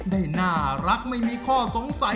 ได้น่ารักไม่มีข้อสงสัย